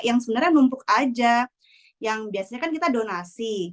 yang sebenarnya numpuk aja yang biasanya kan kita donasi